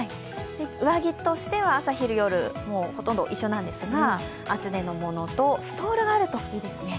上着としては、朝、昼、夜、ほとんど一緒なんですが、厚手のものとストールがあるといいですね。